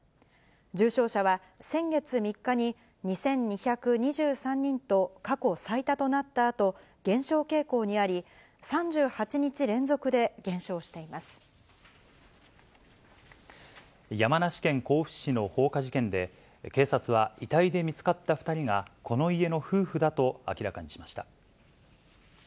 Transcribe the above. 重症者は先月３日に、２２２３人と過去最多となったあと、減少傾向にあり、３８日連続山梨県甲府市の放火事件で、警察は遺体で見つかった２人がこの家の夫婦だと明らかにしました。